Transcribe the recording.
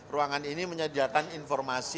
ruangan ini menyediakan informasi